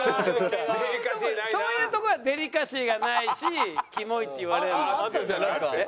そういうとこがデリカシーがないし「キモイ」って言われるのよ。